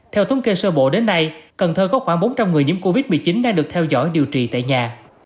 theo thống kê sơ bộ đến nay cần thơ có khoảng bốn trăm linh người nhiễm covid một mươi chín đang được theo dõi điều trị tại nhà